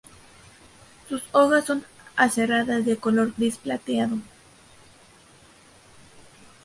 Sus hojas son aserradas de color gris plateado.